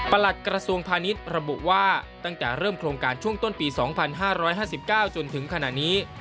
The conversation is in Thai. หลัดกระทรวงพาณิชย์ระบุว่าตั้งแต่เริ่มโครงการช่วงต้นปี๒๕๕๙จนถึงขณะนี้